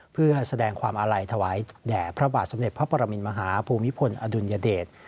เพื่อแสดงความอาลัยถวายแด่พระบาทสมเด็จพระปรมินมหาภูมิพลอดุลยเดช